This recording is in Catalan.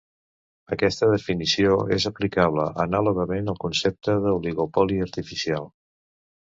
Aquesta definició és aplicable anàlogament al concepte d'oligopoli artificial.